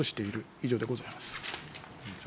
以上でございます。